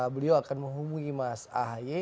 beliau akan menghubungi mas ahy